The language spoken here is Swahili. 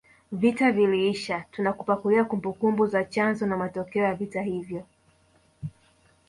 Vita viliisha tunakupakulia kumbukumbu za chanzo na matokeo ya vita hivyo